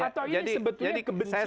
atau ini sebetulnya kebencian